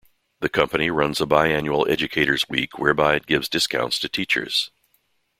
The company runs a bi-annual educator's week whereby it gives discounts to teachers.